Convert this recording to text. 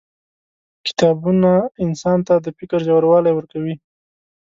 • کتابونه انسان ته د فکر ژوروالی ورکوي.